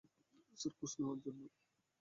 Sir, খোঁজ নেওয়ার জন্য।